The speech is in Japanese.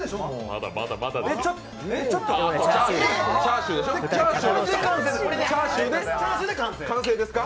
まだまだまだですよ。